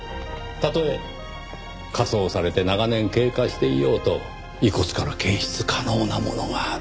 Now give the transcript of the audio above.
たとえ火葬されて長年経過していようと遺骨から検出可能なものがある。